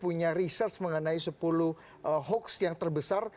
punya research mengenai sepuluh hoax yang terbesar